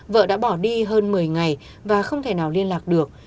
vợ đã bỏ đi hơn một mươi ngày và không thể nào liên lạc được